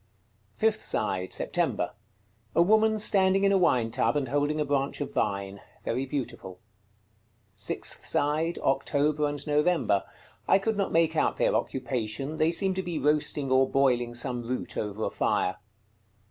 Fifth side. September. A woman standing in a wine tub, and holding a branch of vine. Very beautiful. Sixth side. October and November. I could not make out their occupation; they seem to be roasting or boiling some root over a fire.